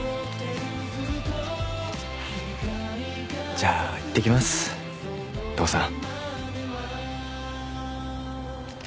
じゃあいってきます父さん。